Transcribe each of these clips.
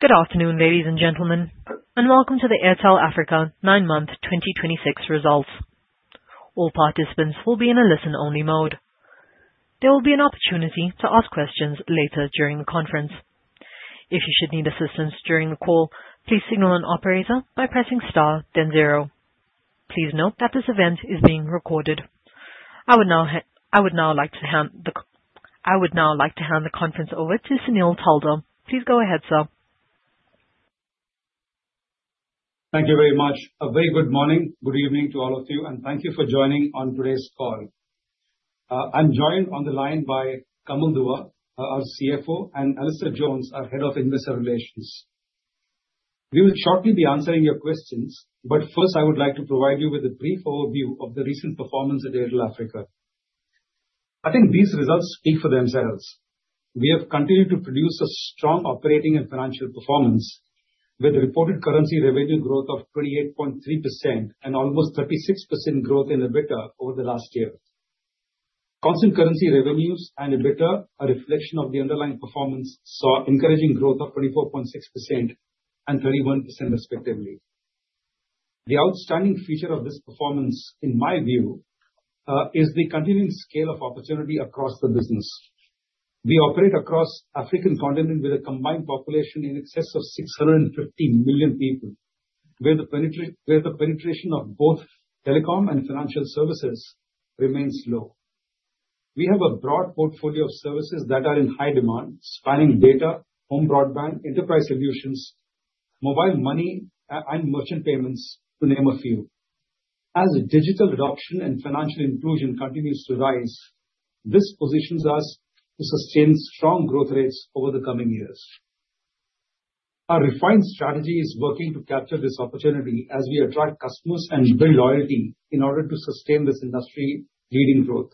Good afternoon, ladies and gentlemen, and welcome to the Airtel Africa 9-month 2025 Results. All participants will be in a listen-only mode. There will be an opportunity to ask questions later during the conference. If you should need assistance during the call, please signal an operator by pressing star then zero. Please note that this event is being recorded. I would now like to hand the conference over to Sunil Taldar. Please go ahead, sir. Thank you very much. A very good morning, good evening to all of you, and thank you for joining on today's call. I'm joined on the line by Kamal Dua, our CFO, and Alistair Jones, our Head of Investor Relations. We will shortly be answering your questions, but first, I would like to provide you with a brief overview of the recent performance at Airtel Africa. I think these results speak for themselves. We have continued to produce a strong operating and financial performance, with a reported currency revenue growth of 28.3% and almost 36% growth in EBITDA over the last year. Constant currency revenues and EBITDA, a reflection of the underlying performance, saw encouraging growth of 24.6% and 31% respectively. The outstanding feature of this performance, in my view, is the continuing scale of opportunity across the business. We operate across African continent with a combined population in excess of 650 million people, where the penetration of both telecom and financial services remains low. We have a broad portfolio of services that are in high demand, spanning data, home broadband, enterprise solutions, mobile money, and merchant payments, to name a few. As digital adoption and financial inclusion continues to rise, this positions us to sustain strong growth rates over the coming years. Our refined strategy is working to capture this opportunity as we attract customers and build loyalty in order to sustain this industry-leading growth.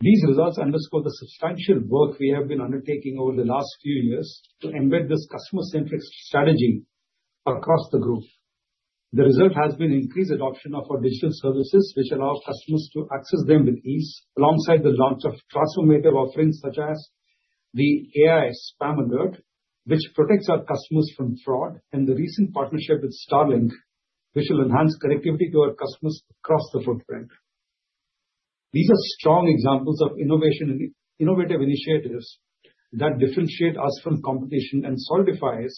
These results underscore the substantial work we have been undertaking over the last few years to embed this customer-centric strategy across the group. The result has been increased adoption of our digital services, which allow customers to access them with ease, alongside the launch of transformative offerings, such as the AI Spam Alert, which protects our customers from fraud, and the recent partnership with Starlink, which will enhance connectivity to our customers across the footprint. These are strong examples of innovation innovative initiatives that differentiate us from competition and solidifies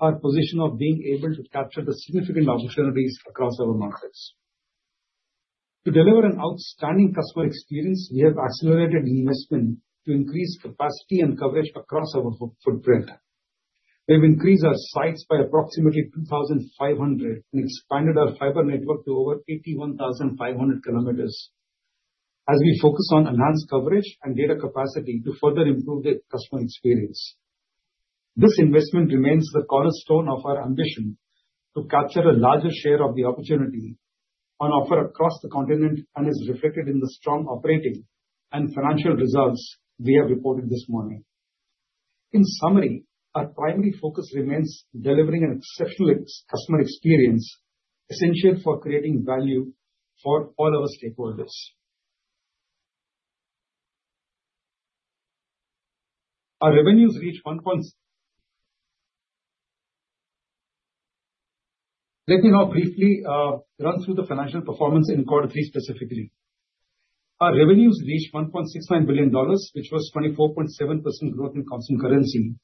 our position of being able to capture the significant opportunities across our markets. To deliver an outstanding customer experience, we have accelerated investment to increase capacity and coverage across our footprint. We've increased our sites by approximately 2,500 and expanded our fiber network to over 81,500 kilometers as we focus on enhanced coverage and data capacity to further improve the customer experience. This investment remains the cornerstone of our ambition to capture a larger share of the opportunity on offer across the continent and is reflected in the strong operating and financial results we have reported this morning. In summary, our primary focus remains delivering an exceptional customer experience, essential for creating value for all our stakeholders. Our revenues reached one point. Let me now briefly run through the financial performance in Quarter Three specifically. Our revenues reached $1.69 billion, which was 24.7% growth in constant currency,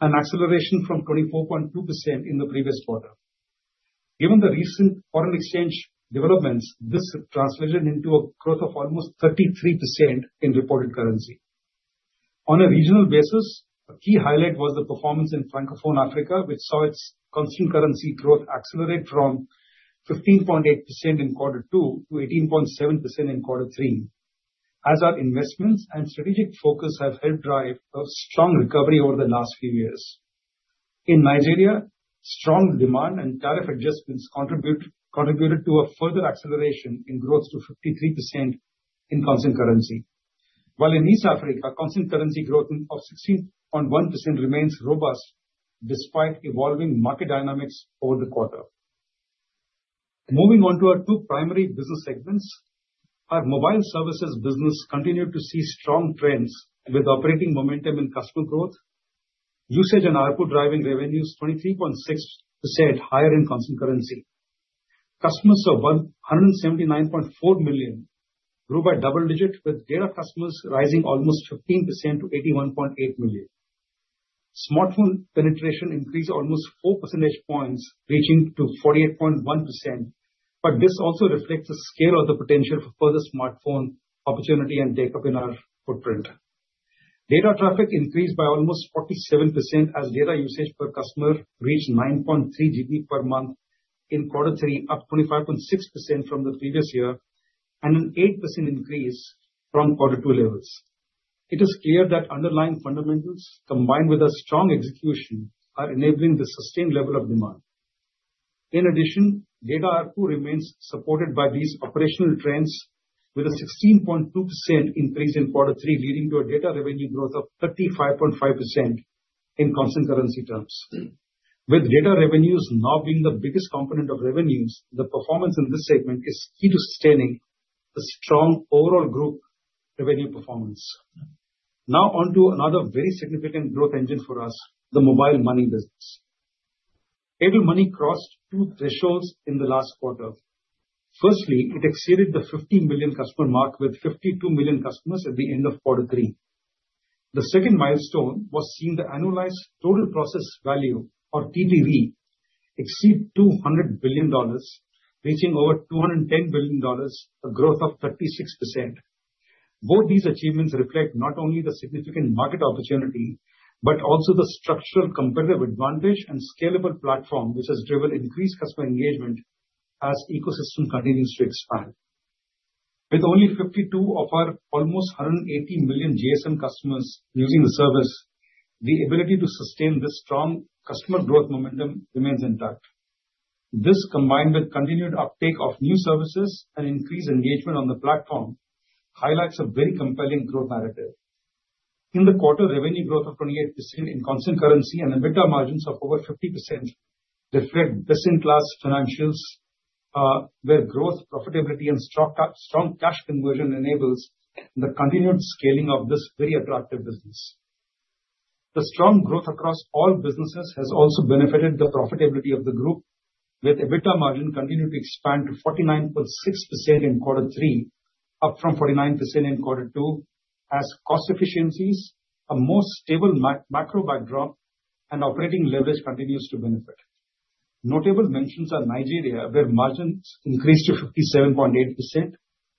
an acceleration from 24.2% in the previous quarter. Given the recent foreign exchange developments, this translated into a growth of almost 33% in reported currency. On a regional basis, a key highlight was the performance in Francophone Africa, which saw its constant currency growth accelerate from 15.8% in Quarter Two to 18.7% in Quarter Three, as our investments and strategic focus have helped drive a strong recovery over the last few years. In Nigeria, strong demand and tariff adjustments contributed to a further acceleration in growth to 53% in constant currency. While in East Africa, constant currency growth of 16.1% remains robust, despite evolving market dynamics over the quarter. Moving on to our two primary business segments, our mobile services business continued to see strong trends with operating momentum and customer growth, usage and ARPU driving revenues 23.6% higher in constant currency. Customers of 179.4 million grew by double digits, with data customers rising almost 15% to 81.8 million. Smartphone penetration increased almost 4 percentage points, reaching to 48.1%, but this also reflects the scale of the potential for further smartphone opportunity and take-up in our footprint. Data traffic increased by almost 47%, as data usage per customer reached 9.3 GB per month in Quarter Three, up 25.6% from the previous year and an 8% increase from Quarter Two levels. It is clear that underlying fundamentals, combined with a strong execution, are enabling the sustained level of demand. In addition, data ARPU remains supported by these operational trends, with a 16.2% increase in Quarter Three, leading to a data revenue growth of 35.5% in constant currency terms. With data revenues now being the biggest component of revenues, the performance in this segment is key to sustaining a strong overall group revenue performance. Now on to another very significant growth engine for us, the mobile money business. Airtel Money crossed two thresholds in the last quarter. Firstly, it exceeded the 50 million customer mark, with 52 million customers at the end of quarter three. The second milestone was seeing the annualized total processed value, or TPV, exceed $200 billion, reaching over $210 billion, a growth of 36%. Both these achievements reflect not only the significant market opportunity, but also the structural competitive advantage and scalable platform, which has driven increased customer engagement as ecosystem continues to expand. With only 52 of our almost 180 million GSM customers using the service, the ability to sustain this strong customer growth momentum remains intact. This, combined with continued uptake of new services and increased engagement on the platform, highlights a very compelling growth narrative. In the quarter, revenue growth of 28% in constant currency and EBITDA margins of over 50% reflect best-in-class financials, where growth, profitability, and strong cash conversion enables the continued scaling of this very attractive business. The strong growth across all businesses has also benefited the profitability of the group, with EBITDA margin continuing to expand to 49.6% in quarter three, up from 49% in quarter two, as cost efficiencies, a more stable macro backdrop, and operating leverage continues to benefit. Notable mentions are Nigeria, where margins increased to 57.8%,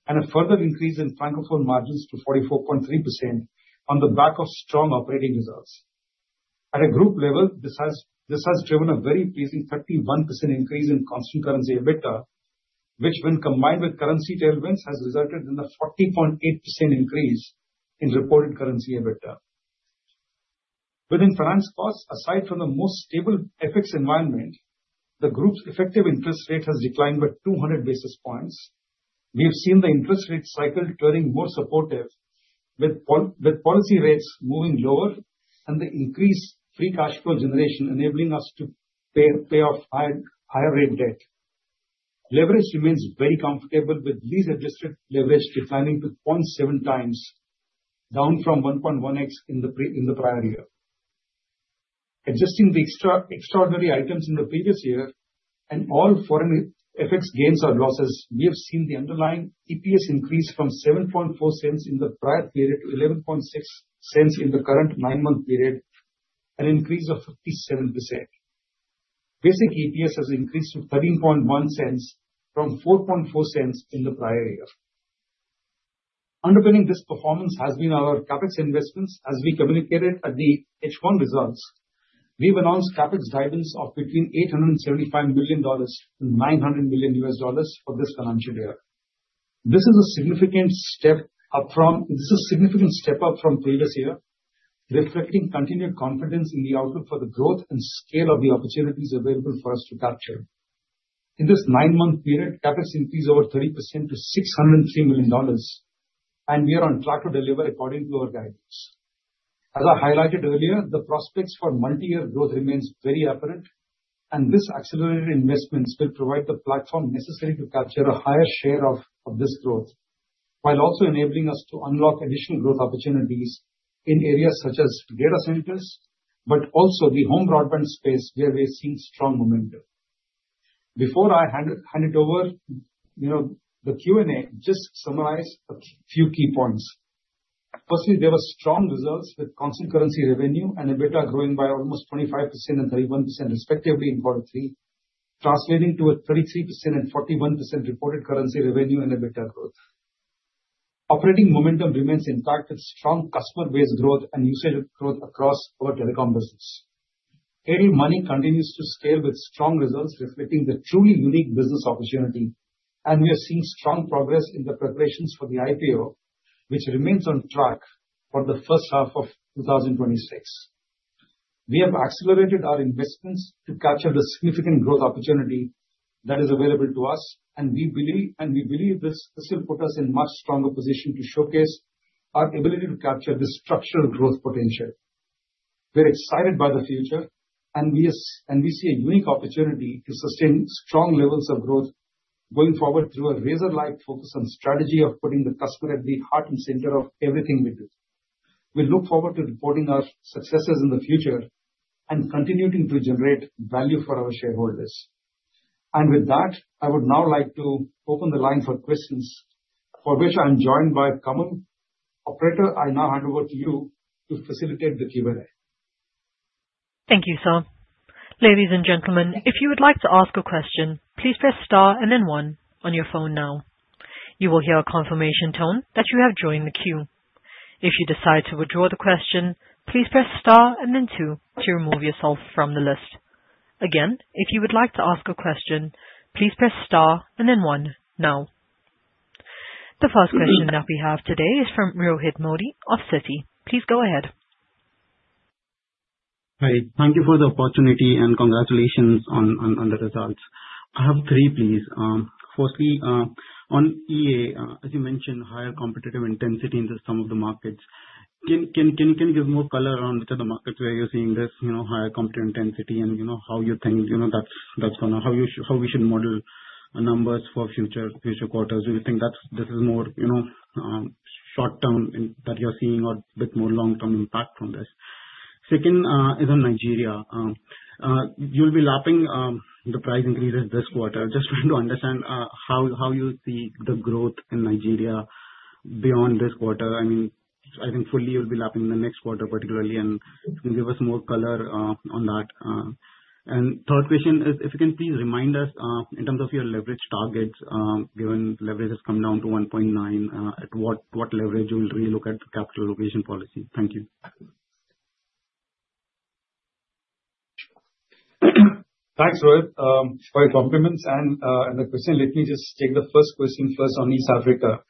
and a further increase in Francophone margins to 44.3% on the back of strong operating results. At a group level, this has driven a very pleasing 31% increase in constant currency EBITDA, which, when combined with currency tailwinds, has resulted in a 40.8% increase in reported currency EBITDA. Within finance costs, aside from the more stable FX environment, the group's effective interest rate has declined by 200 basis points. We have seen the interest rate cycle turning more supportive, with policy rates moving lower and the increased free cash flow generation enabling us to pay off higher rate debt. Leverage remains very comfortable, with lease-adjusted leverage declining to 0.7 times, down from 1.1x in the prior year. Adjusting the extraordinary items in the previous year and all foreign FX gains or losses, we have seen the underlying EPS increase from $0.074 in the prior period to $0.116 in the current nine-month period, an increase of 57%. Basic EPS has increased to $0.131 from $0.044 in the prior year. Underpinning this performance has been our CapEx investments. As we communicated at the H1 results, we've announced CapEx guidance of between $875 million and $900 million for this financial year. This is a significant step up from previous year, reflecting continued confidence in the outlook for the growth and scale of the opportunities available for us to capture. In this nine-month period, CapEx increased over 30% to $603 million, and we are on track to deliver according to our guidance. As I highlighted earlier, the prospects for multi-year growth remains very apparent, and this accelerated investments will provide the platform necessary to capture a higher share of this growth, while also enabling us to unlock additional growth opportunities in areas such as data centers, but also the home broadband space, where we are seeing strong momentum. Before I hand it over, you know, the Q&A, just summarize a few key points. Firstly, there were strong results with constant currency revenue and EBITDA growing by almost 25% and 31%, respectively, in quarter three, translating to a 33% and 41% reported currency revenue and EBITDA growth. Operating momentum remains intact, with strong customer base growth and usage growth across our telecom business. Airtel Money continues to scale with strong results, reflecting the truly unique business opportunity, and we are seeing strong progress in the preparations for the IPO, which remains on track for the first half of 2026. We have accelerated our investments to capture the significant growth opportunity that is available to us, and we believe this will put us in much stronger position to showcase our ability to capture this structural growth potential. We're excited by the future, and we see a unique opportunity to sustain strong levels of growth going forward through a laser-like focus on strategy of putting the customer at the heart and center of everything we do. We look forward to reporting our successes in the future and continuing to generate value for our shareholders. With that, I would now like to open the line for questions, for which I'm joined by Kamal. Operator, I now hand over to you to facilitate the Q&A. Thank you, sir. Ladies and gentlemen, if you would like to ask a question, please press star and then one on your phone now. You will hear a confirmation tone that you have joined the queue. If you decide to withdraw the question, please press star and then two to remove yourself from the list. Again, if you would like to ask a question, please press star and then one now. The first question that we have today is from Rohit Modi of Citi. Please go ahead. Hi. Thank you for the opportunity, and congratulations on the results. I have three, please. Firstly, on EA, as you mentioned, higher competitive intensity into some of the markets. Can you give more color on to the markets where you're seeing this, you know, higher competitive intensity, and you know, how you think, you know, that's gonna, how we should model our numbers for future quarters? Do you think that's, this is more, you know, short term in that you're seeing or a bit more long-term impact from this? Second, is on Nigeria. You'll be lapping the price increases this quarter. Just want to understand, how you see the growth in Nigeria beyond this quarter. I mean, I think fully you'll be lapping in the next quarter, particularly, and can you give us more color on that? Third question is, if you can please remind us in terms of your leverage targets, given leverage has come down to 1.9, at what leverage you will relook at capital allocation policy? Thank you. Thanks, Rohit, for your compliments and the question. Let me just take the first question first on East Africa.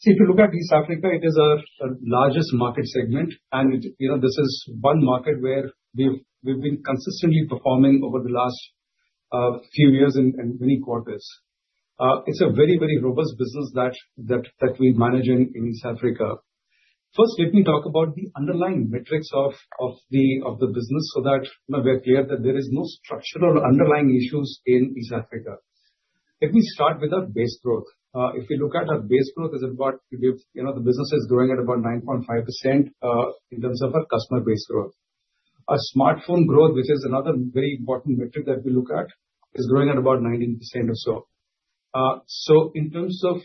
So if you look at East Africa, it is our largest market segment, and it, you know, this is one market where we've been consistently performing over the last few years and many quarters. It's a very, very robust business that we manage in East Africa. First, let me talk about the underlying metrics of the business, so that, you know, we are clear that there is no structural underlying issues in East Africa. Let me start with our base growth. If you look at our base growth, it is about, you know, the business is growing at about 9.5%, in terms of our customer base growth. Our smartphone growth, which is another very important metric that we look at, is growing at about 19% or so. So in terms of,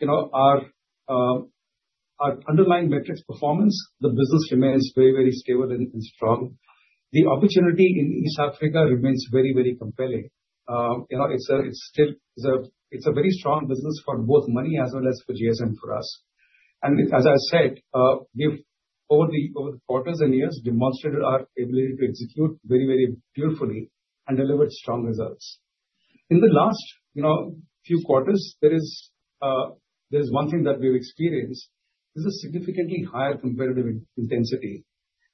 you know, our underlying metrics performance, the business remains very, very stable and strong. The opportunity in East Africa remains very, very compelling. You know, it's still a very strong business for both Money as well as for GSM for us. And as I said, we've over the quarters and years, demonstrated our ability to execute very, very beautifully and delivered strong results. In the last, you know, few quarters, there is one thing that we've experienced, is a significantly higher competitive intensity.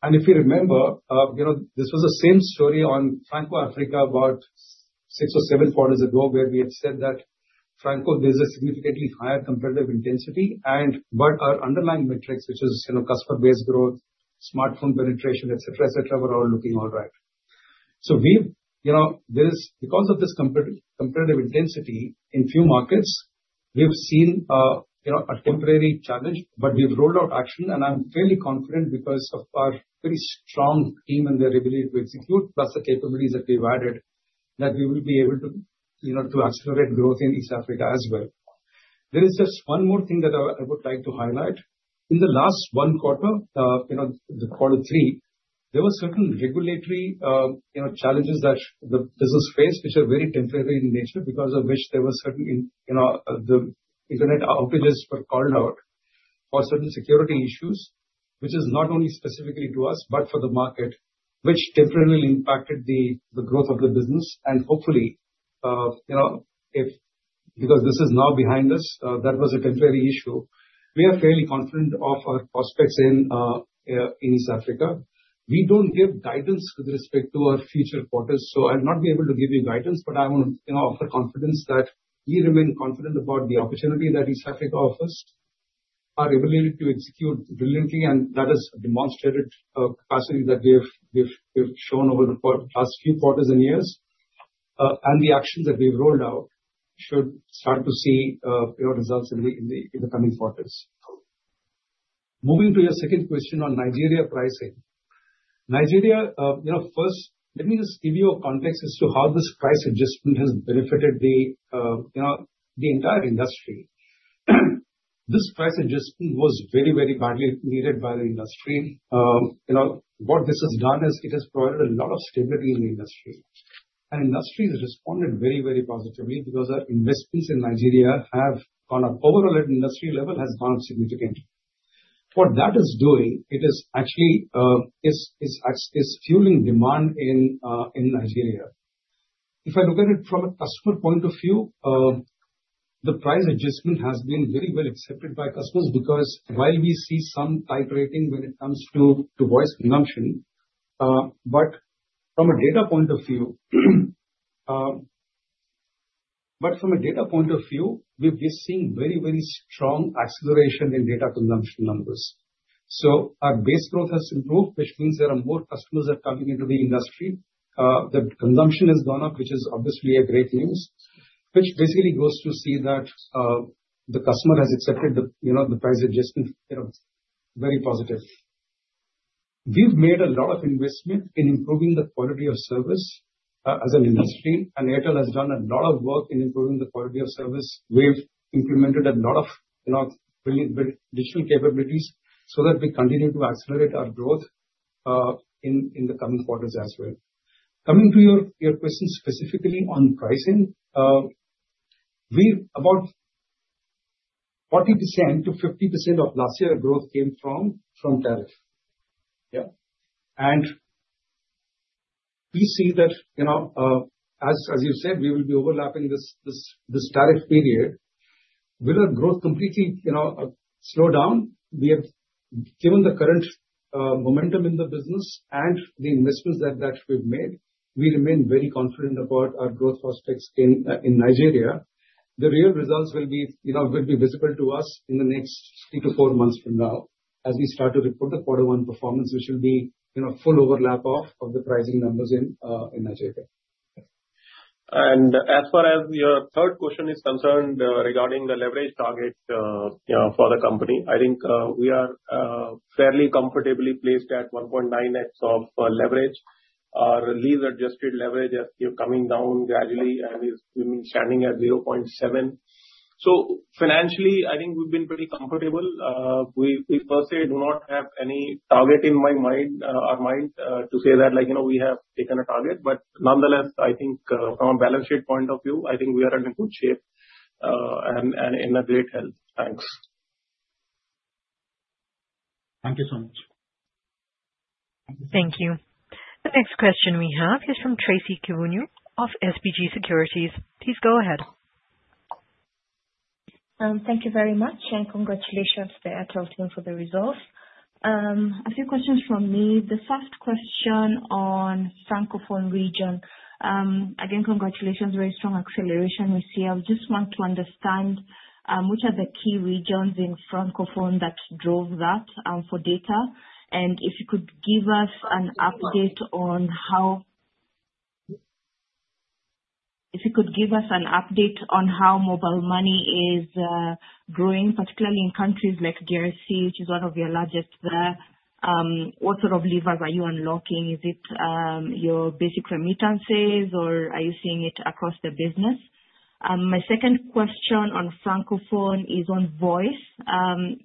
If you remember, you know, this was the same story on Francophone Africa about 6 or 7 quarters ago, where we had said that Francophone, there's a significantly higher competitive intensity and, but our underlying metrics, which is, you know, customer base growth, smartphone penetration, et cetera, et cetera, were all looking all right. So we've, you know, there is, because of this competitive, competitive intensity in few markets, we've seen, you know, a temporary challenge, but we've rolled out action, and I'm fairly confident because of our very strong team and their ability to execute, plus the capabilities that we've added, that we will be able to, you know, to accelerate growth in East Africa as well. There is just one more thing that I would, I would like to highlight. In the last one quarter, you know, the quarter three, there were certain regulatory, you know, challenges that the business faced, which are very temporary in nature, because of which there were certain, you know, the internet operators were called out for certain security issues. Which is not only specifically to us, but for the market, which temporarily impacted the, the growth of the business. And hopefully, you know, if, because this is now behind us, that was a temporary issue. We are fairly confident of our prospects in, in East Africa. We don't give guidance with respect to our future quarters, so I'll not be able to give you guidance, but I want, you know, offer confidence that we remain confident about the opportunity that East Africa offers. Our ability to execute brilliantly, and that is demonstrated capacity that we've shown over the last few quarters and years. And the actions that we've rolled out should start to see clear results in the coming quarters. Moving to your second question on Nigeria pricing. Nigeria, you know, first, let me just give you a context as to how this price adjustment has benefited the, you know, the entire industry. This price adjustment was very, very badly needed by the industry. You know, what this has done is it has provided a lot of stability in the industry. And industry has responded very, very positively because our investments in Nigeria have, on an overall industry level, has gone up significantly. What that is doing, it is actually is fueling demand in Nigeria. If I look at it from a customer point of view, the price adjustment has been very well accepted by customers, because while we see some price rating when it comes to voice consumption, but from a data point of view, but from a data point of view, we've been seeing very, very strong acceleration in data consumption numbers. So our base growth has improved, which means there are more customers that are coming into the industry. The consumption has gone up, which is obviously a great news. Which basically goes to see that, the customer has accepted the, you know, the price adjustment, you know, very positive. We've made a lot of investment in improving the quality of service, as an industry, and Airtel has done a lot of work in improving the quality of service. We've implemented a lot of, you know, really great digital capabilities, so that we continue to accelerate our growth, in, in the coming quarters as well. Coming to your, your question specifically on pricing, we've about 40%-50% of last year growth came from, from tariff. Yeah. And we see that, you know, as, as you said, we will be overlapping this, this, this tariff period. Will our growth completely, you know, slow down? We have, given the current momentum in the business and the investments that, that we've made, we remain very confident about our growth prospects in, in Nigeria. The real results will be, you know, will be visible to us in the next 3-4 months from now as we start to report the quarter one performance, which will be, you know, full overlap of the pricing numbers in Nigeria. As far as your third question is concerned, regarding the leverage target, you know, for the company, I think we are fairly comfortably placed at 1.9x of leverage. Our lease-adjusted leverage is still coming down gradually and is remaining standing at 0.7. So financially, I think we've been pretty comfortable. We per se do not have any target in my mind, our mind, to say that like, you know, we have taken a target, but nonetheless, I think from a balance sheet point of view, I think we are in a good shape, and in a great health. Thanks. Thank you so much. Thank you. The next question we have is from Tracy Kivunyu of SBG Securities. Please go ahead. Thank you very much, and congratulations to the Airtel team for the results. A few questions from me. The first question on Francophone region. Again, congratulations. Very strong acceleration we see. I would just want to understand which are the key regions in Francophone that drove that for data? And if you could give us an update on how mobile money is growing, particularly in countries like DRC, which is one of your largest there. What sort of levers are you unlocking? Is it your basic remittances, or are you seeing it across the business? My second question on Francophone is on voice.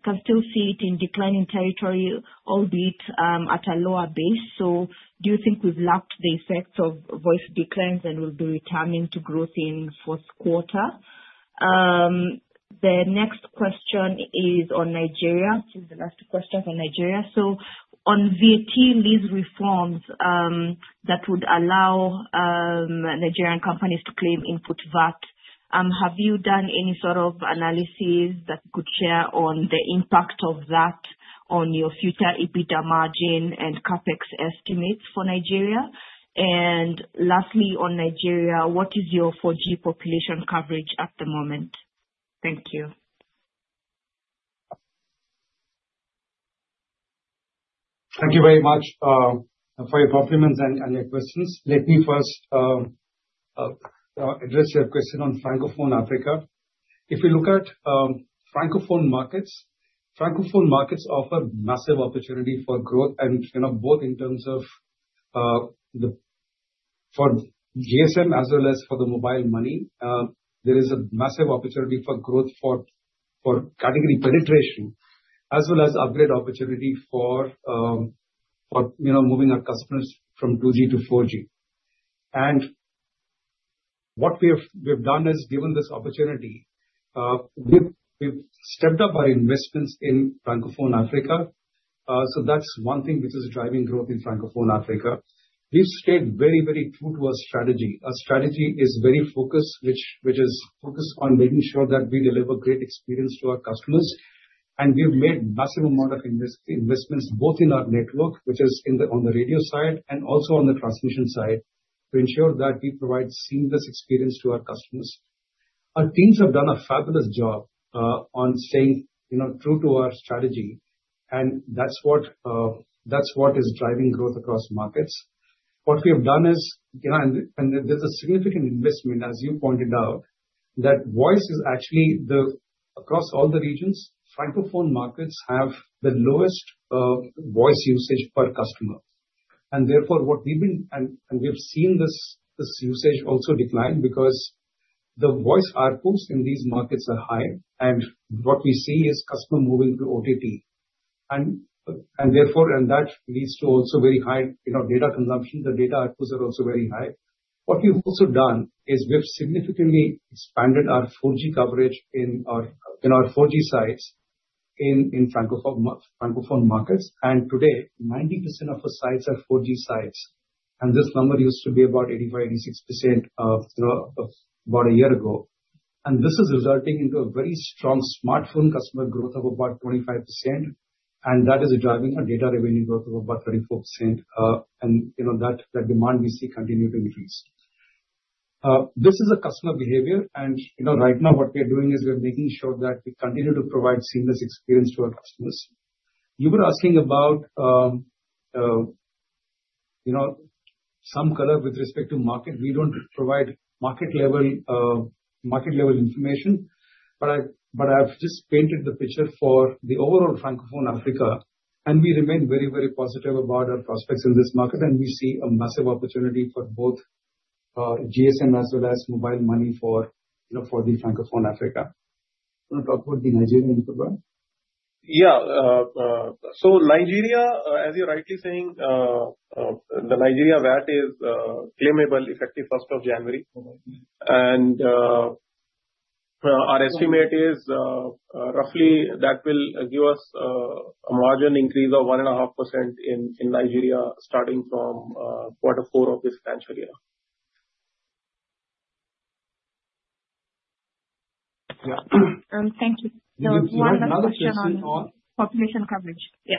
Can still see it in declining territory, albeit at a lower base. Do you think we've lapped the effects of voice declines and will be returning to growth in fourth quarter? The next question is on Nigeria. This is the last question on Nigeria. On VAT, these reforms, that would allow Nigerian companies to claim input VAT, have you done any sort of analysis that you could share on the impact of that on your future EBITDA margin and CapEx estimates for Nigeria? And lastly, on Nigeria, what is your 4G population coverage at the moment? Thank you. Thank you very much for your compliments and your questions. Let me first address your question on Francophone Africa. If you look at Francophone markets, Francophone markets offer massive opportunity for growth and, you know, both in terms of the for GSM as well as for the mobile money. There is a massive opportunity for growth for category penetration, as well as upgrade opportunity for, you know, moving our customers from 2G to 4G. And what we have done is, given this opportunity, we've stepped up our investments in Francophone Africa. So that's one thing which is driving growth in Francophone Africa. We've stayed very, very true to our strategy. Our strategy is very focused, which is focused on making sure that we deliver great experience to our customers. We have made a massive amount of investments, both in our network, which is on the radio side, and also on the transmission side, to ensure that we provide a seamless experience to our customers. Our teams have done a fabulous job on staying, you know, true to our strategy, and that's what, that's what is driving growth across markets. What we have done is, you know, and there's a significant investment, as you pointed out, that voice is actually the. Across all the regions, Francophone markets have the lowest voice usage per customer. And therefore, we have seen this usage also decline, because the voice ARPUs in these markets are high, and what we see is customers moving to OTT. And therefore, that leads to also very high, you know, data consumption. The data RPOs are also very high. What we've also done is we have significantly expanded our 4G coverage in our 4G sites in Francophone markets. And today, 90% of the sites are 4G sites, and this number used to be about 85%-86% through about a year ago. And this is resulting into a very strong smartphone customer growth of about 25%, and that is driving our data revenue growth of about 34%. And, you know, that demand we see continue to increase. This is a customer behavior, and, you know, right now, what we are doing is we're making sure that we continue to provide seamless experience to our customers. You were asking about, you know, some color with respect to market. We don't provide market-level, market-level information, but I've just painted the picture for the overall Francophone Africa, and we remain very, very positive about our prospects in this market, and we see a massive opportunity for both, GSM as well as mobile money for, you know, for the Francophone Africa. You want to talk about the Nigerian program? Yeah. So Nigeria, as you're rightly saying, the Nigeria VAT is claimable effective 1st of January. Our estimate is roughly that will give us a margin increase of 1.5% in Nigeria, starting from quarter four of this financial year. Thank you. One more question on population coverage. Yeah.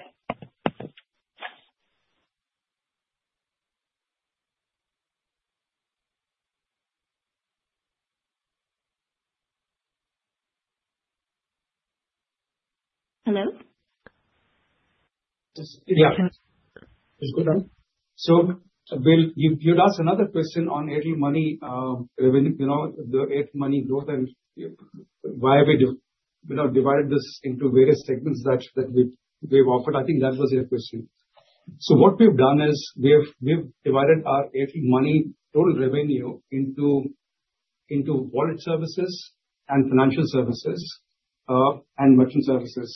Hello? Yeah. So, Well, you, you'd asked another question on Airtel Money, revenue, you know, the Airtel Money growth and why we do, you know, divided this into various segments that we've offered. I think that was your question. So what we've done is we have, we've divided our Airtel Money total revenue into wallet services and financial services, and merchant services.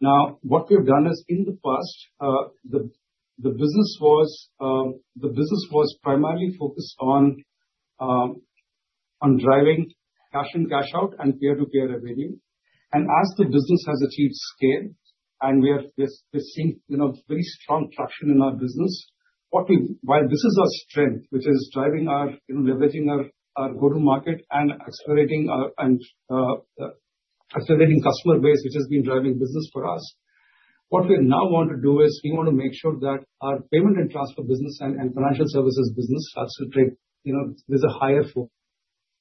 Now, what we've done is, in the past, the business was primarily focused on driving cash in, cash out and peer-to-peer revenue. And as the business has achieved scale, and we are just seeing, you know, very strong traction in our business, while this is our strength, which is driving our, you know, leveraging our go-to-market and accelerating our customer base, which has been driving business for us. What we now want to do is we want to make sure that our payment and transfer business and financial services business starts to take, you know, there's a higher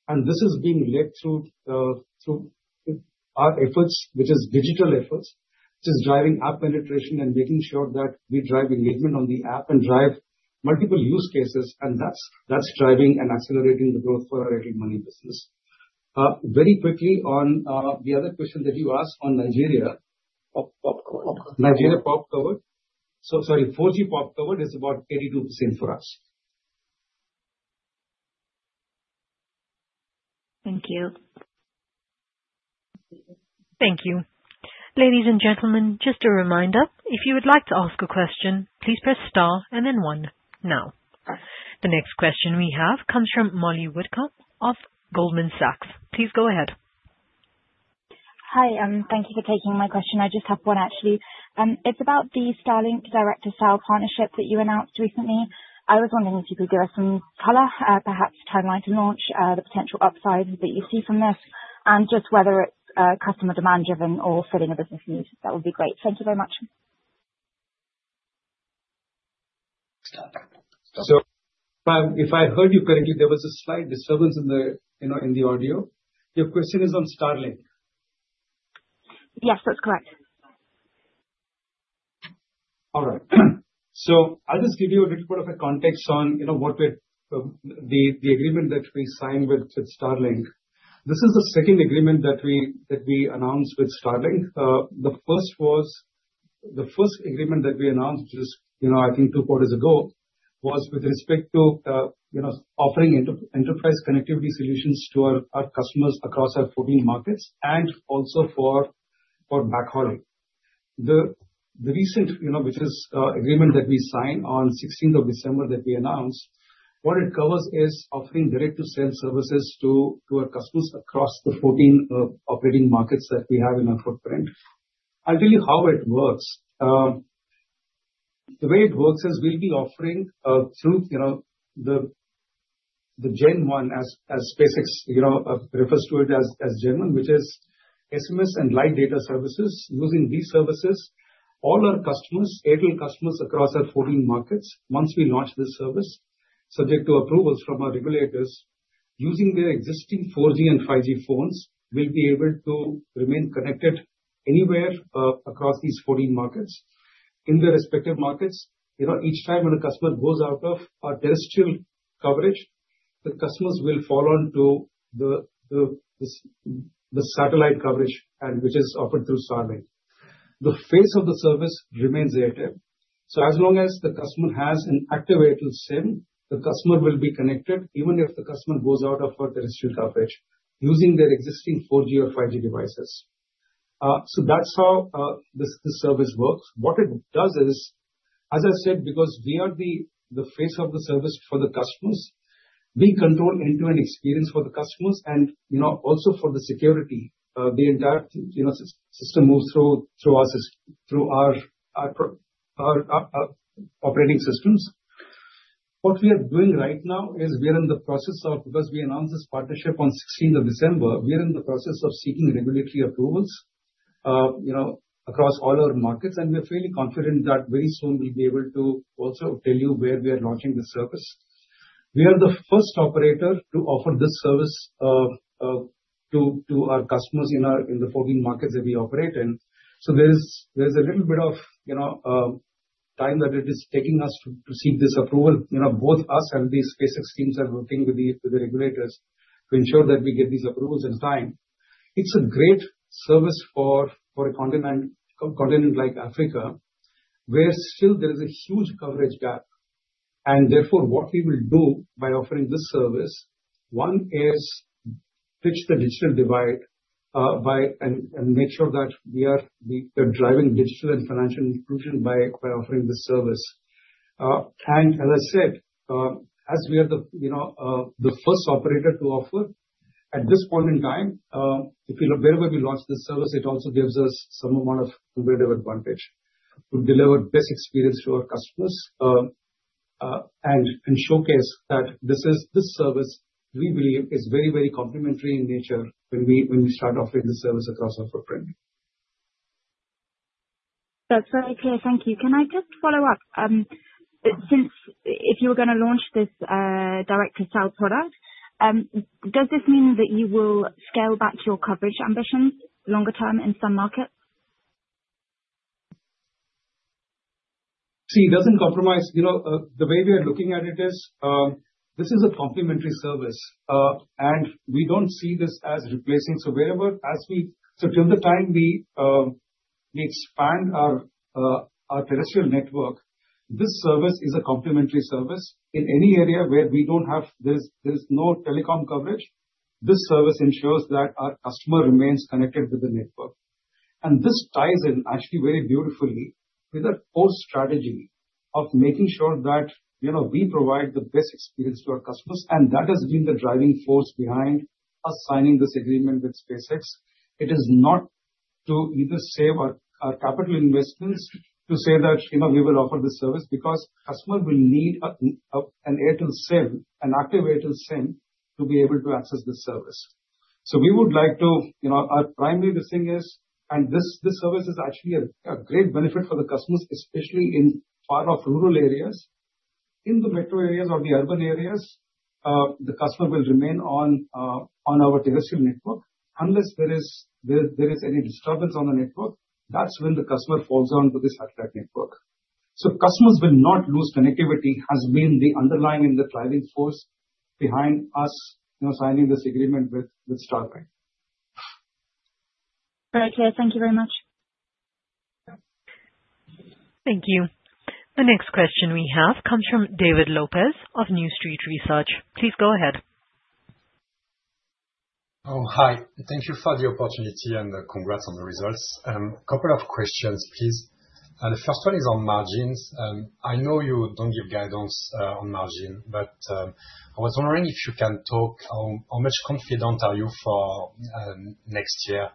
form. And this is being led through our efforts, which is digital efforts, which is driving app penetration and making sure that we drive engagement on the app and drive multiple use cases, and that's driving and accelerating the growth for our Airtel Money business. Very quickly on the other question that you asked on Nigeria. Pop, pop, pop. Nigeria population coverage? So sorry, 4G population coverage is about 82% for us. Thank you. Thank you. Ladies and gentlemen, just a reminder, if you would like to ask a question, please press star and then one now. The next question we have comes from Mollie Witcombe of Goldman Sachs. Please go ahead. Hi, thank you for taking my question. I just have one, actually. It's about the Starlink Direct-to-Cell partnership that you announced recently. I was wondering if you could give us some color, perhaps timeline to launch, the potential upside that you see from this, and just whether it's customer demand driven or filling a business need. That would be great. Thank you very much. If I heard you correctly, there was a slight disturbance in the, you know, in the audio. Your question is on Starlink? Yes, that's correct. All right. So I'll just give you a little bit of a context on, you know, what we're, the, the agreement that we signed with, with Starlink. This is the second agreement that we, that we announced with Starlink. The first was. The first agreement that we announced is, you know, I think two quarters ago, was with respect to, you know, offering enterprise connectivity solutions to our, our customers across our 14 markets, and also for, for backhauling. The, the recent, you know, which is, agreement that we signed on 16th of December, that we announced, what it covers is offering Direct-to-Cell services to, to our customers across the 14 operating markets that we have in our footprint. I'll tell you how it works. The way it works is we'll be offering through, you know, the Gen-1, as SpaceX, you know, refers to it as Gen-1, which is SMS and light data services. Using these services, all our customers, Airtel customers, across our 14 markets, once we launch this service, subject to approvals from our regulators, using their existing 4G and 5G phones, will be able to remain connected anywhere across these 14 markets. In their respective markets, you know, each time when a customer goes out of our terrestrial coverage, the customers will fall on to the satellite coverage and which is offered through Starlink. The face of the service remains Airtel. So as long as the customer has an active Airtel SIM, the customer will be connected, even if the customer goes out of our terrestrial coverage, using their existing 4G or 5G devices. So that's how this service works. What it does is, as I said, because we are the face of the service for the customers, we control end-to-end experience for the customers and, you know, also for the security, the entire, you know, system goes through our operating systems. What we are doing right now is we are in the process of. Because we announced this partnership on 16th of December, we are in the process of seeking regulatory approvals, you know, across all our markets. And we're feeling confident that very soon we'll be able to also tell you where we are launching this service. We are the first operator to offer this service to our customers in our 14 markets that we operate in. So there's a little bit of, you know, time that it is taking us to seek this approval. You know, both us and the SpaceX teams are working with the regulators to ensure that we get these approvals in time. It's a great service for a continent like Africa, where still there is a huge coverage gap, and therefore, what we will do by offering this service, one, is fix the digital divide by and make sure that we are driving digital and financial inclusion by offering this service. And as I said, as we are the, you know, the first operator to offer, at this point in time, if, you know, wherever we launch this service, it also gives us some amount of competitive advantage to deliver best experience to our customers, and showcase that this is, this service, we believe is very, very complimentary in nature when we, when we start offering this service across our footprint. That's very clear. Thank you. Can I just follow up? Since if you're gonna launch this, Direct-to-Cell product, does this mean that you will scale back your coverage ambitions longer term in some markets? See, it doesn't compromise. You know, the way we are looking at it is, this is a complementary service, and we don't see this as replacing. So till the time we, we expand our, our terrestrial network, this service is a complementary service. In any area where we don't have this, there's no telecom coverage, this service ensures that our customer remains connected to the network. And this ties in actually very beautifully with our core strategy of making sure that, you know, we provide the best experience to our customers, and that has been the driving force behind us signing this agreement with SpaceX. It is not to either save our capital investments, to say that, you know, we will offer this service, because customer will need an Airtel SIM, an active Airtel SIM, to be able to access this service. So we would like to, you know, our primary listing is. And this service is actually a great benefit for the customers, especially in part of rural areas. In the metro areas or the urban areas, the customer will remain on, on our terrestrial network. Unless there is any disturbance on the network, that's when the customer falls onto the satellite network. So customers will not lose connectivity, has been the underlying and the driving force behind us, you know, signing this agreement with Starlink. Very clear. Thank you very much. Thank you. The next question we have comes from David Lopes of New Street Research. Please go ahead. Oh, hi. Thank you for the opportunity, and, congrats on the results. Couple of questions, please. The first one is on margins. I know you don't give guidance, on margin, but, I was wondering if you can talk how, how much confident are you for, next year,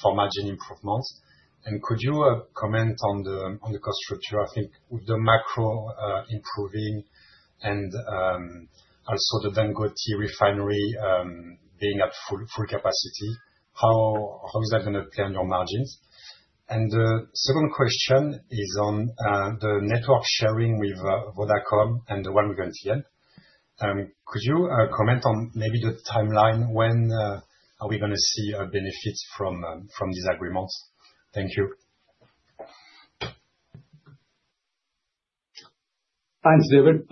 for margin improvements? And could you, comment on the, cost structure? I think with the macro, improving and, also the Dangote Refinery, being at full, full capacity, how, how is that gonna play on your margins? And the second question is on, the network sharing with, Vodacom and the one with MTN. Could you, comment on maybe the timeline, when, are we gonna see, benefits from, from these agreements? Thank you. Thanks, David.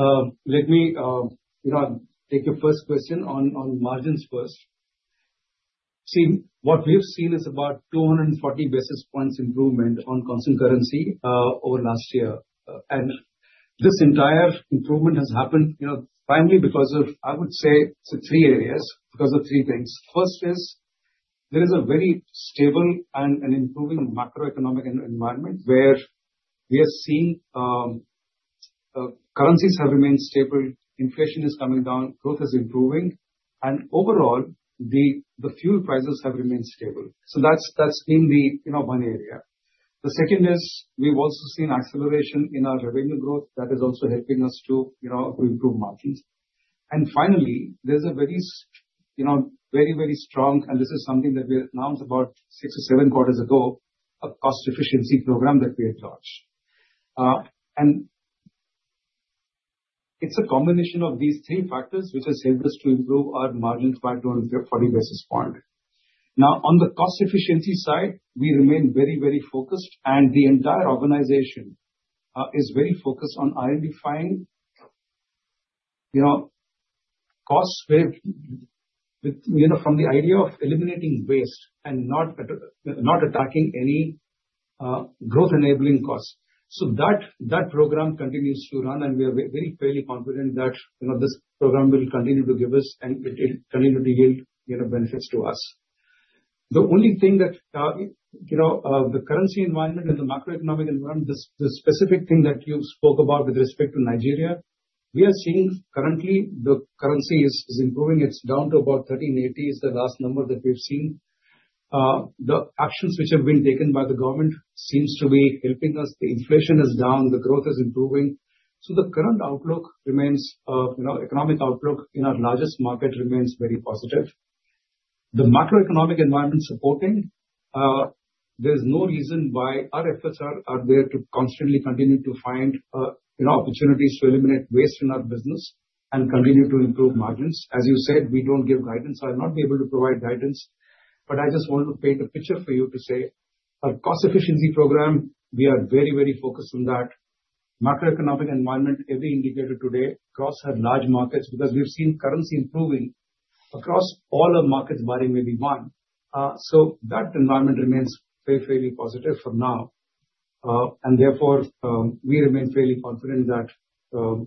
Let me, you know, take the first question on, on margins first. See, what we've seen is about 240 basis points improvement on constant currency over last year. And this entire improvement has happened, you know, primarily because of, I would say, so three areas, because of three things. First is, there is a very stable and improving macroeconomic environment, where we have seen, currencies have remained stable, inflation is coming down, growth is improving, and overall, the fuel prices have remained stable. So that's, that's been the, you know, one area. The second is, we've also seen acceleration in our revenue growth. That is also helping us to, you know, to improve margins. And finally, there's a very strong, you know, very, very strong, and this is something that we announced about 6 or 7 quarters ago, a cost efficiency program that we had launched. And it's a combination of these three factors which has helped us to improve our margins by 240 basis points. Now, on the cost efficiency side, we remain very, very focused, and the entire organization is very focused on identifying, you know, costs with, you know, from the idea of eliminating waste and not attacking any growth-enabling costs. So that program continues to run, and we are very fairly confident that, you know, this program will continue to give us, and it will continue to yield, you know, benefits to us. The only thing that, you know, the currency environment and the macroeconomic environment, the specific thing that you spoke about with respect to Nigeria, we are seeing currently the currency is, is improving. It's down to about 1,380, is the last number that we've seen. The actions which have been taken by the government seems to be helping us. The inflation is down, the growth is improving, so the current outlook remains, you know, economic outlook in our largest market remains very positive. The macroeconomic environment supporting, there's no reason why our efforts are, are there to constantly continue to find, you know, opportunities to eliminate waste in our business and continue to improve margins. As you said, we don't give guidance, so I'll not be able to provide guidance. But I just want to paint a picture for you to say, our cost efficiency program, we are very, very focused on that. Macroeconomic environment, every indicator today across our large markets, because we've seen currency improving across all our markets, barring maybe one. So that environment remains very fairly positive for now. And therefore, we remain fairly confident that,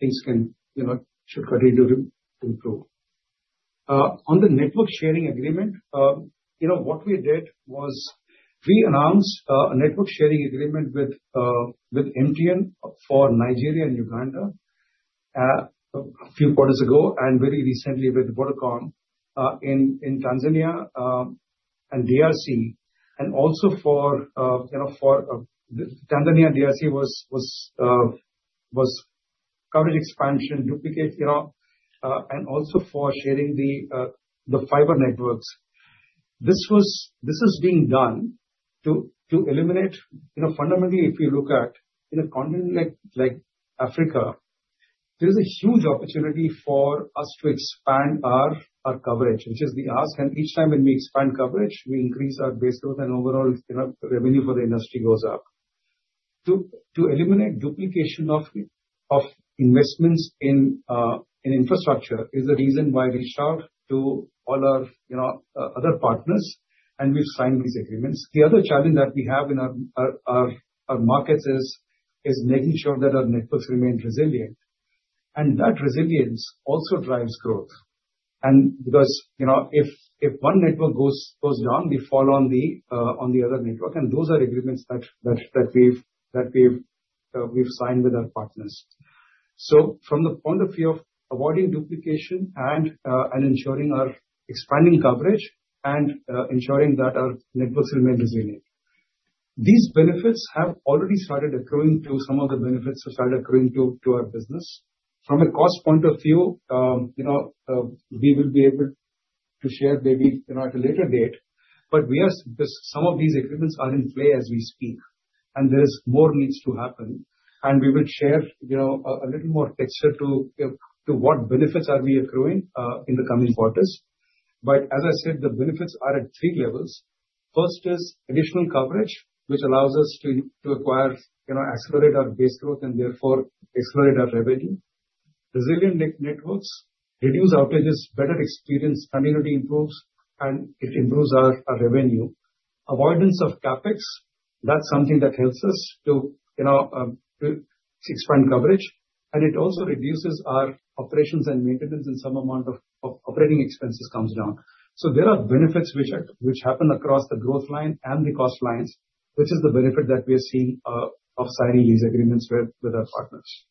things can, you know, should continue to, to improve. On the network sharing agreement, you know, what we did was we announced, a network sharing agreement with, with MTN for Nigeria and Uganda. a few quarters ago and very recently with Vodacom, in, in Tanzania, and DRC, and also for, you know, for, Tanzania and DRC was, was, was coverage expansion, duplicate, you know, and also for sharing the, the fiber networks. This is being done to eliminate. You know, fundamentally, if you look at, in a continent like Africa, there is a huge opportunity for us to expand our coverage, which is we ask, and each time when we expand coverage, we increase our base growth and overall, you know, revenue for the industry goes up. To eliminate duplication of investments in infrastructure is the reason why we reached out to all our, you know, other partners, and we've signed these agreements. The other challenge that we have in our markets is making sure that our networks remain resilient, and that resilience also drives growth. Because, you know, if one network goes down, we fall on the other network, and those are agreements that we've signed with our partners. So from the point of view of avoiding duplication and ensuring our expanding coverage and ensuring that our networks remain resilient. These benefits have already started accruing. Some of the benefits have started accruing to our business. From a cost point of view, you know, we will be able to share maybe, you know, at a later date, but some of these agreements are in play as we speak, and there is more needs to happen. And we will share, you know, a little more texture to what benefits we are accruing in the coming quarters. But as I said, the benefits are at three levels. First is additional coverage, which allows us to acquire, you know, accelerate our base growth and therefore accelerate our revenue. Resilient networks, reduce outages, better experience, community improves, and it improves our revenue. Avoidance of CapEx, that's something that helps us to, you know, to expand coverage, and it also reduces our operations and maintenance, and some amount of operating expenses comes down. So there are benefits which happen across the growth line and the cost lines, which is the benefit that we are seeing of signing these agreements with our partners.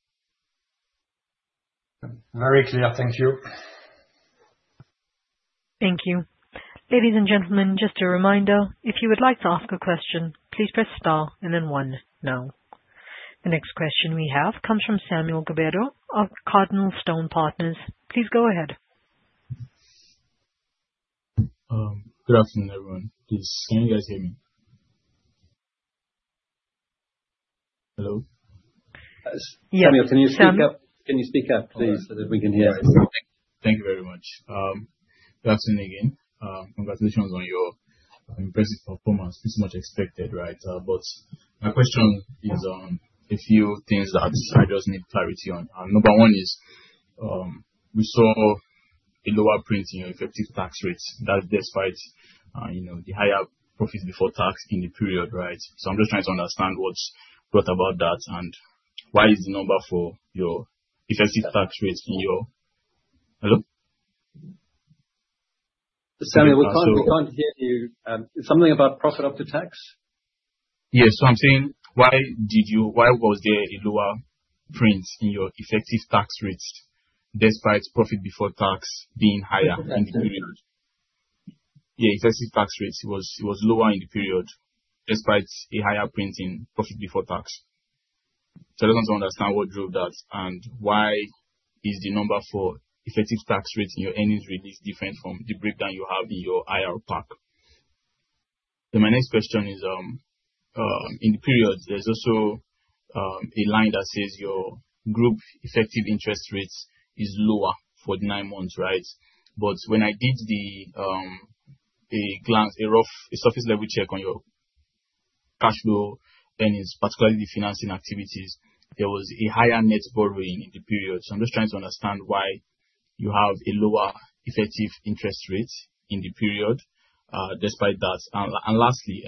Very clear. Thank you. Thank you. Ladies and gentlemen, just a reminder, if you would like to ask a question, please press star and then one now. The next question we have comes from Samuel Gbadebo of CardinalStone Partners. Please go ahead. Good afternoon, everyone. Please, can you guys hear me? Hello? Samuel, can you speak up? Can you speak up, please, so that we can hear you. Thank you very much. Good afternoon again. Congratulations on your impressive performance. It's much expected, right? But my question is on a few things that I just need clarity on. Number one is, we saw a lower print in your effective tax rates, that despite, you know, the higher profits before tax in the period, right? So I'm just trying to understand what's, what about that, and why is the number for your effective tax rates in your. Hello? Samuel, we can't, we can't hear you. Something about profit after tax? Yes. So I'm saying, why was there a lower print in your effective tax rates despite profit before tax being higher in the period? Yeah, effective tax rates was lower in the period, despite a higher print in profit before tax. So I just want to understand what drove that, and why is the number for effective tax rates in your earnings release different from the breakdown you have in your IR pack? Then my next question is, in the period, there's also a line that says your group effective interest rates is lower for the nine months, right? But when I did the glance, a rough, a surface level check on your cash flow, then it's particularly the financing activities, there was a higher net borrowing in the period. So I'm just trying to understand why you have a lower effective interest rate in the period, despite that. And lastly,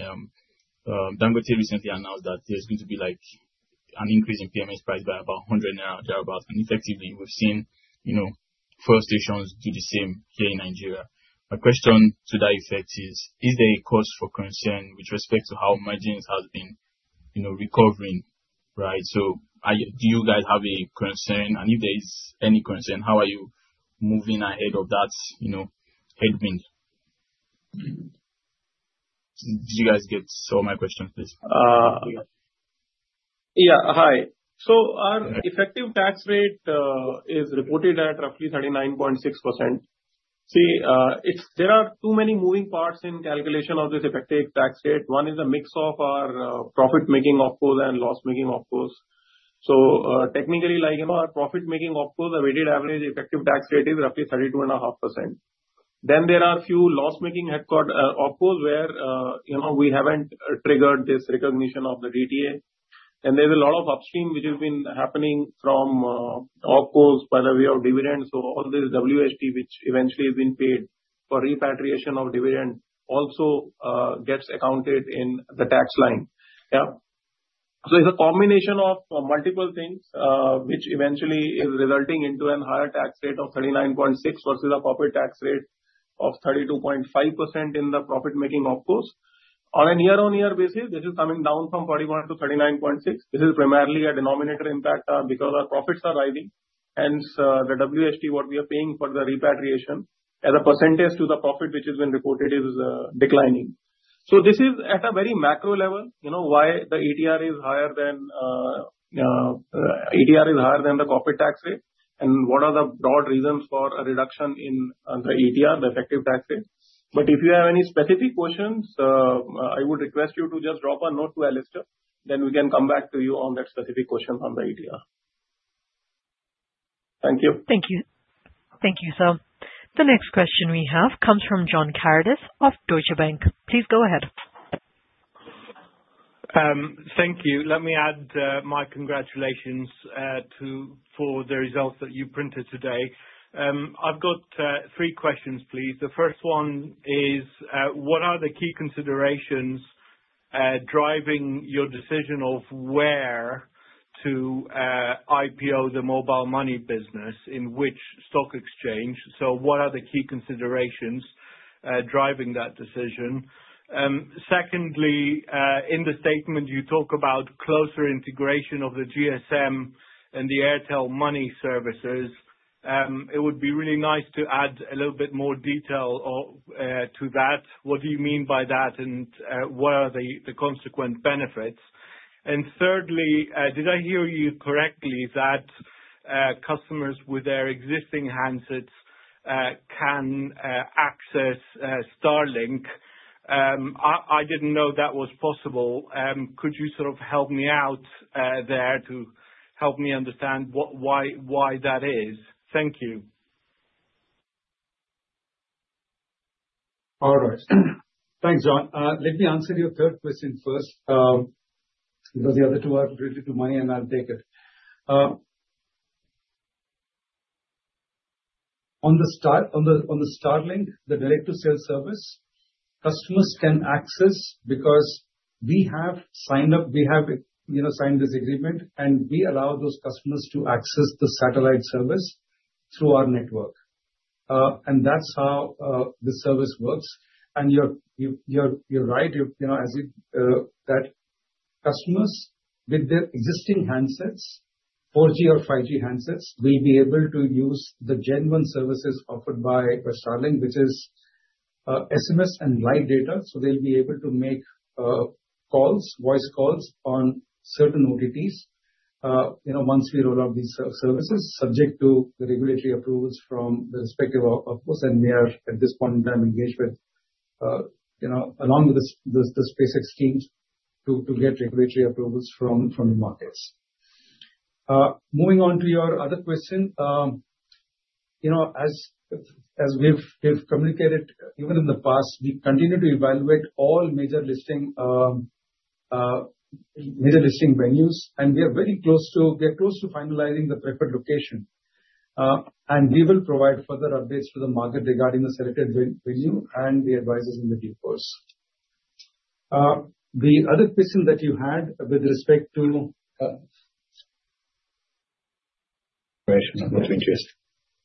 Dangote recently announced that there's going to be, like, an increase in PMS price by about 100 naira, thereabout, and effectively we've seen, you know, fuel stations do the same here in Nigeria. My question to that effect is, is there a cause for concern with respect to how margins have been, you know, recovering, right? So are you do you guys have a concern? And if there is any concern, how are you moving ahead of that, you know, headwind? Did you guys get all my questions, please? Yeah. Hi. So our effective tax rate is reported at roughly 39.6%. See, there are too many moving parts in calculation of this effective tax rate. One is a mix of our profit-making OpCos and loss-making OpCos. So, technically, like, you know, our profit-making OpCos, the weighted average effective tax rate is roughly 32.5%. Then there are a few loss-making OpCos, where, you know, we haven't triggered this recognition of the DTA, and there's a lot of upstream which has been happening from OpCos by way of dividends. So all this WHT, which eventually has been paid for repatriation of dividend, also gets accounted in the tax line. Yeah? So it's a combination of multiple things, which eventually is resulting into a higher tax rate of 39.6% versus a profit tax rate of 32.5% in the profit-making OpCos. On a year-on-year basis, this is coming down from 41% to 39.6%. This is primarily a denominator impact, because our profits are rising, hence, the WHT, what we are paying for the repatriation as a percentage to the profit which has been reported is, declining. So this is at a very macro level, you know, why the ETR is higher than, ETR is higher than the corporate tax rate, and what are the broad reasons for a reduction in, the ETR, the effective tax rate. But if you have any specific questions, I would request you to just drop a note to Alistair, then we can come back to you on that specific question on the ETR. Thank you. Thank you. Thank you, sir. The next question we have comes from John Karidis of Deutsche Bank. Please go ahead. Thank you. Let me add my congratulations to for the results that you printed today. I've got three questions, please. The first one is, what are the key considerations driving your decision of where to IPO the mobile money business, in which stock exchange? So what are the key considerations driving that decision? Secondly, in the statement, you talk about closer integration of the GSM and the Airtel Money Services. It would be really nice to add a little bit more detail or to that. What do you mean by that, and what are the consequent benefits? And thirdly, did I hear you correctly, that customers with their existing handsets can access Starlink? I didn't know that was possible. Could you sort of help me out there to help me understand what, why, why that is? Thank you. All right. Thanks, John. Let me answer your third question first, because the other two are related to money, and I'll take it. On the Starlink, the Direct-to-Cell service, customers can access because we have signed this agreement, and we allow those customers to access the satellite service through our network. And that's how the service works. And you're right, you know, that customers with their existing handsets, 4G or 5G handsets, will be able to use the Gen-1 services offered by Starlink, which is SMS and light data. So they'll be able to make calls, voice calls on certain OTTs, you know, once we roll out these services, subject to the regulatory approvals from the respective OpCos, and we are, at this point in time, engaged with, you know, along with the SpaceX, to get regulatory approvals from the markets. Moving on to your other question. You know, as we've communicated even in the past, we continue to evaluate all major listing venues, and we are very close to finalizing the preferred location. And we will provide further updates to the market regarding the selected venue and the advisors in due course. The other question that you had with respect to,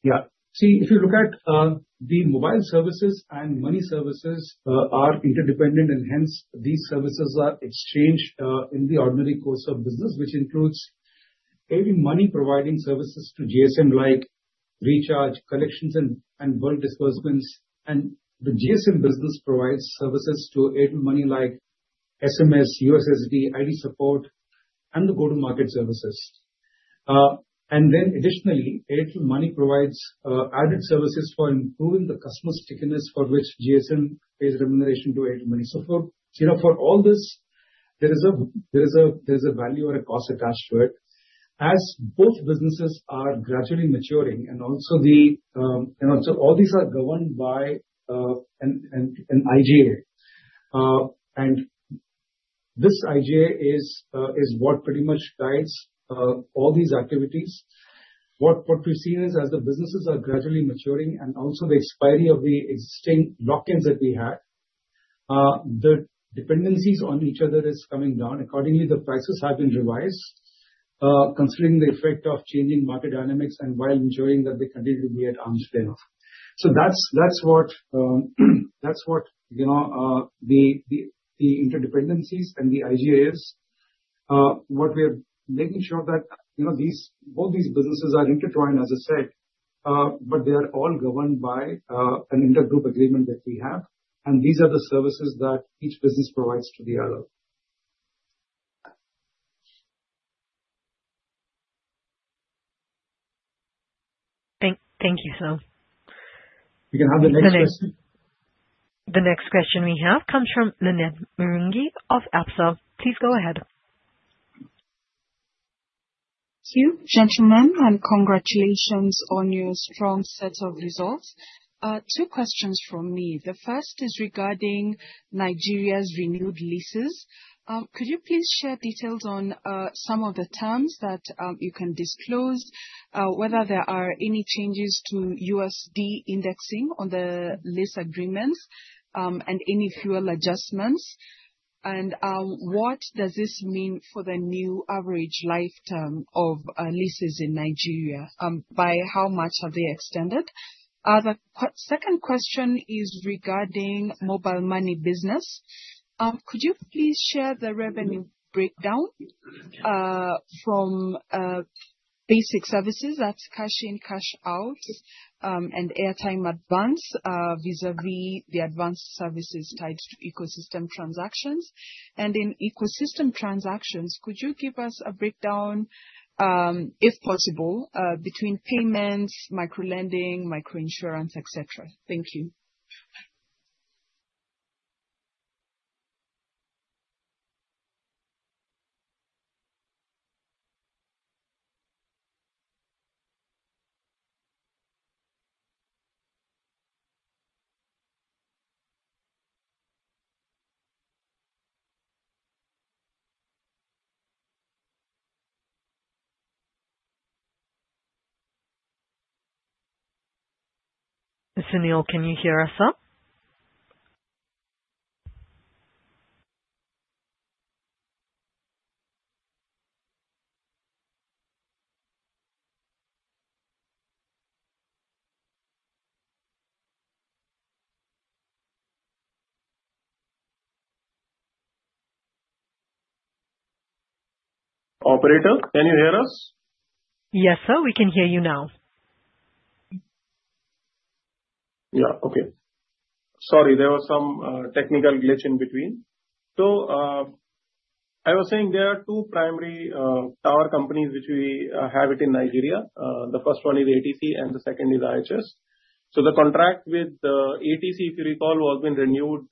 yeah. See, if you look at the mobile services and money services, are interdependent, and hence, these services are exchanged in the ordinary course of business, which includes any money-providing services to GSM, like recharge, collections, and bulk disbursements. And the GSM business provides services to Airtel Money like SMS, USSD, ID support, and the go-to-market services. And then additionally, Airtel Money provides added services for improving the customer stickiness, for which GSM pays remuneration to Airtel Money. So for, you know, for all this, there is a value and a cost attached to it. As both businesses are gradually maturing, and also all these are governed by an IGA. And this IGA is what pretty much guides all these activities. What we've seen is, as the businesses are gradually maturing and also the expiry of the existing lock-ins that we had, the dependencies on each other is coming down. Accordingly, the prices have been revised, considering the effect of changing market dynamics and while ensuring that they continue to be at arm's length. So that's what, you know, the interdependencies and the IGAs. What we are making sure that, you know, these, both these businesses are intertwined, as I said, but they are all governed by an intergroup agreement that we have, and these are the services that each business provides to the other. Thank you, sir. We can have the next question. The next question we have comes from Lynette Mwangi of Absa. Please go ahead. Thank you, gentlemen, and congratulations on your strong set of results. Two questions from me. The first is regarding Nigeria's renewed leases. Could you please share details on some of the terms that you can disclose, whether there are any changes to USD indexing on the lease agreements, and any fuel adjustments? And what does this mean for the new average lifetime of leases in Nigeria? By how much are they extended? Second question is regarding mobile money business. Could you please share the revenue breakdown from basic services, that's cash in, cash out, and airtime advance, vis-a-vis the advanced services tied to ecosystem transactions? And in ecosystem transactions, could you give us a breakdown, if possible, between payments, micro-lending, micro-insurance, et cetera? Thank you. Sunil, can you hear us, sir? Operator, can you hear us? Yes, sir, we can hear you now. Yeah. Okay. Sorry, there was some technical glitch in between. So I was saying there are two primary tower companies which we have it in Nigeria. The first one is ATC and the second is IHS. So the contract with ATC, if you recall, was been renewed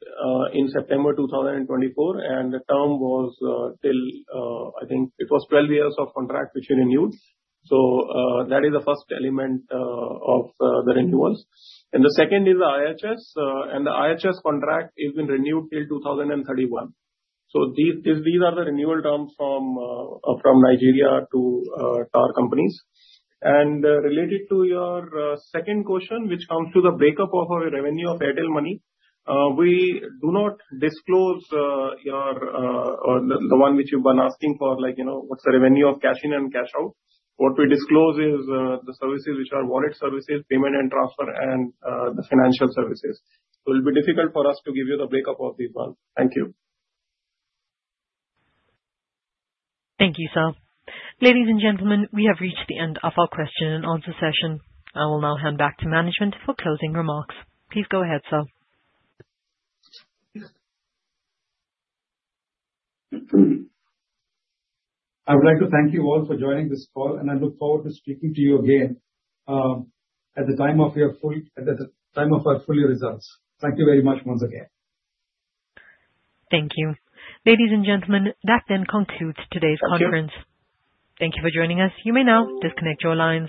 in September 2024, and the term was till I think it was 12 years of contract which we renewed. So that is the first element of the renewals. And the second is the IHS. And the IHS contract has been renewed till 2031. So these are the renewal terms from Nigeria to tower companies. Related to your second question, which comes to the breakup of our revenue of Airtel Money, we do not disclose the one which you've been asking for, like, you know, what's the revenue of cash in and cash out? What we disclose is the services which are wallet services, payment and transfer, and the financial services. It will be difficult for us to give you the breakup of this one. Thank you. Thank you, sir. Ladies and gentlemen, we have reached the end of our question and answer session. I will now hand back to management for closing remarks. Please go ahead, sir. I would like to thank you all for joining this call, and I look forward to speaking to you again, at the time of our full year results. Thank you very much once again. Thank you. Ladies and gentlemen, that then concludes today's conference. Thank you. Thank you for joining us. You may now disconnect your lines.